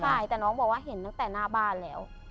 ใช่แต่น้องบอกว่าเห็นตั้งแต่หน้าบ้านแล้ว